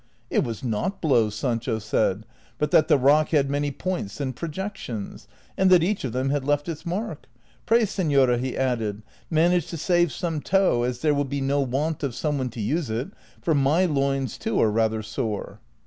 CHAPTER XVI. 103 It was not blows, Sancho said, but that the rock liad many points and projections, and that each of them had left its mark. '' Pray, senora," he added, " manage to save soine tow, as there will be no want of some one to use it, for my loins too are rather sore."